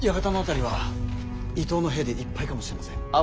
館の辺りは伊東の兵でいっぱいかもしれません。